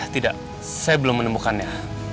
tidak saya belum menemukannya